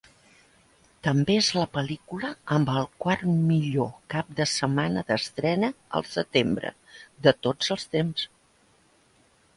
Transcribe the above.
També és la pel·lícula amb el quart millor cap de setmana d'estrena al setembre de tots els temps.